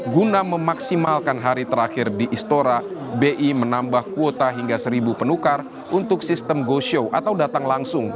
guna memaksimalkan hari terakhir di istora bi menambah kuota hingga seribu penukar untuk sistem go show atau datang langsung